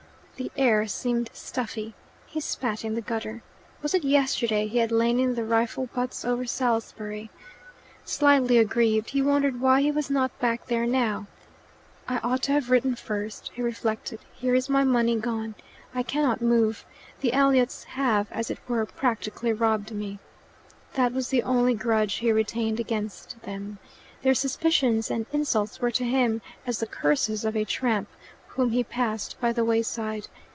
The air seemed stuffy. He spat in the gutter. Was it yesterday he had lain in the rifle butts over Salisbury? Slightly aggrieved, he wondered why he was not back there now. "I ought to have written first," he reflected. "Here is my money gone. I cannot move. The Elliots have, as it were, practically robbed me." That was the only grudge he retained against them. Their suspicions and insults were to him as the curses of a tramp whom he passed by the wayside.